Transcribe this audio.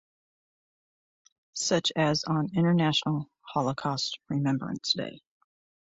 Such as on International Holocaust Remembrance Day.